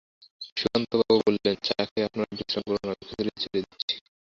সুধাকান্তবাবু বললেন, চা খেয়ে আপনারা বিশ্রাম করুন, আমি খিচুড়ি চড়িয়ে দিচ্ছি।